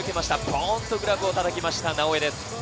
ポンとグラブをたたきました、直江です。